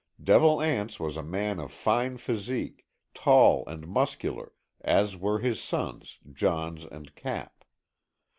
Devil Anse was a man of fine physique, tall and muscular, as were his sons, Johns and Cap.